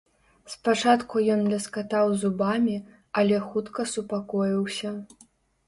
Спачатку ён ляскатаў зубамі, але хутка супакоіўся.